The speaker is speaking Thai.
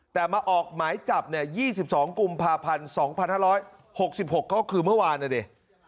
แต่มาออกหมายจับเนี่ย๒๒กุมภาพันธ์๒๕๖๖ก็คือเมื่อวานนะดิ